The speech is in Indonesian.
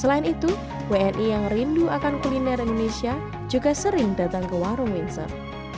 selain itu wni yang rindu akan kuliner indonesia juga sering datang ke warung windsor